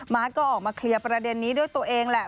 ก็ออกมาเคลียร์ประเด็นนี้ด้วยตัวเองแหละ